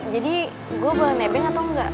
jadi gue boleh nebeng atau enggak